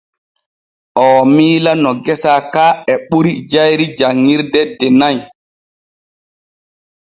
Oo miila no gesa ka e ɓuri jayri janŋirde de nay.